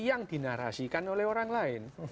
yang dinarasikan oleh orang lain